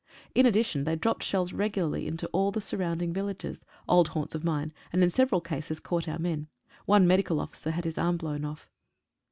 In addition they dropped shells regularly into all the surrounding villages — old haunts of mine, and in several cases caught our men. One medical officer had his arm blown off.